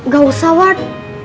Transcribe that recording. gak usah wad